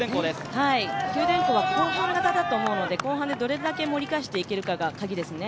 九電工は後半型だと思うので後半でどれだけ盛り返していけるかがカギですね。